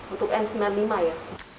untuk n sembilan puluh lima ya